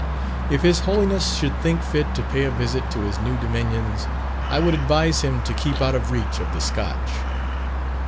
If his Holiness should think fit to pay a visit to his new dominions, I would advise him to keep out of reach of the Scotch.